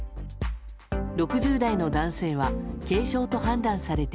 ６０代の男性は軽症と判断されて